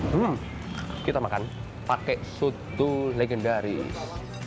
hmm kita makan pakai soto legendaris